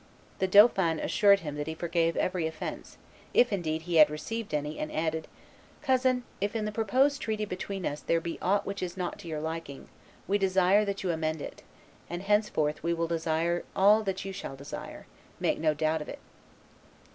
The dauphin assured him that he forgave every offence, if indeed he had received any, and added, "Cousin, if in the proposed treaty between us there be aught which is not to your liking, we desire that you amend it, and henceforth we will desire all you shall desire; make no doubt of it."